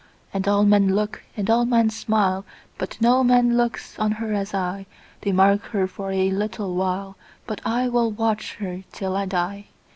And all men look, and all men smile, But no man looks on her as I:They mark her for a little while, But I will watch her till I die.